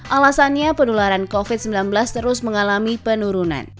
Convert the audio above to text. alasannya penularan covid sembilan belas terus mengalami penurunan